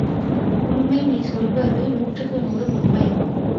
உண்மை நீ சொல்வது நூற்றுக்கு நூறு உண்மை!